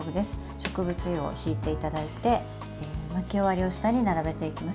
植物油をひいていただいて巻き終わりを下に並べていきます。